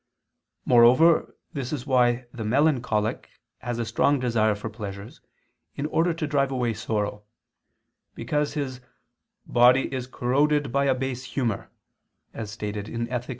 Moreover this is why the melancholic has a strong desire for pleasures, in order to drive away sorrow: because his "body is corroded by a base humor," as stated in _Ethic.